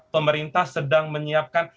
pemerintah sedang menyiapkan